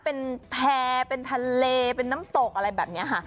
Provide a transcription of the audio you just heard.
เป็นแพร่เป็นทะเลเป็นน้ำตกอะไรแบบนี้ค่ะ